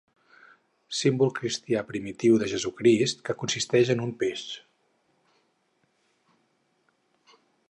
Símbol cristià primitiu de Jesucrist, que consisteix en un peix.